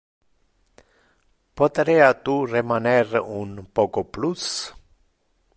Poterea tu remaner un poco plus?